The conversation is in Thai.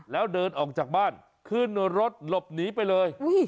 แล้วเดินออกจากบ้านขึ้นรถหลบหนีไปเลย